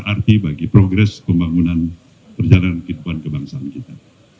arti bagi progres pembangunan perjalanan kehidupan kebangsaan kita